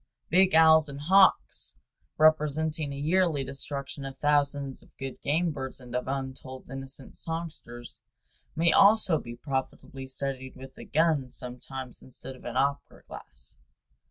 Big owls and hawks, representing a yearly destruction of thousands of good game birds and of untold innocent songsters, may also be profitably studied with a gun sometimes instead of an opera glass.